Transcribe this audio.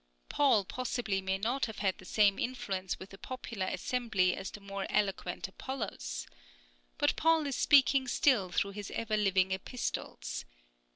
Paul possibly may not have had the same influence with a popular assembly as the more eloquent Apollos. But Paul is speaking still through his ever living Epistles.